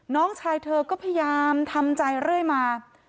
น้องชายเธอก็พยายามทำใจเรื่อยมา